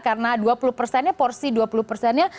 karena dua puluh persennya porsi dua puluh persennya